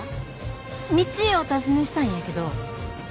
道お尋ねしたいんやけど。